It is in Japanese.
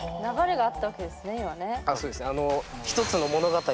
そうですね。